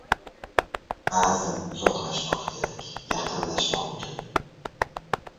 • Ba’zan uzoqlashmoq kerak, yaqinlashmoq uchun.